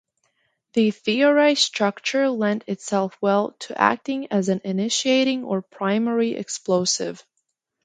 The theorized structure lent itself well to acting as an initiating, or primary explosive.